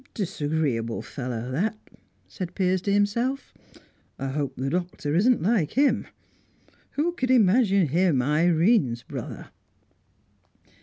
"Disagreeable fellow, that!" said Piers to himself. "I hope the Doctor isn't like him. Who could imagine him Irene's brother?"